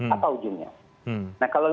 apa ujungnya nah kalau